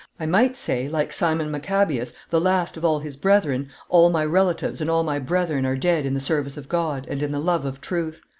"I might say, like Simon Maccabeus, the last of all his brethren, All my relatives and all my brethren are dead in the service of God and in the love of truth.